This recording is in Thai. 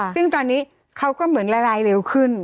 ซึ่งตอนนี้เขาก็เหมือนละลายเร็วขึ้น